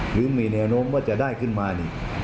หรือมีแนวโน้มว่าจะได้ขึ้นมานี่